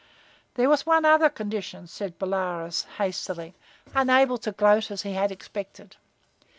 "There was one other condition," said Bolaroz, hastily, unable to gloat as he had expected.